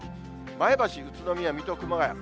前橋、宇都宮、水戸、熊谷。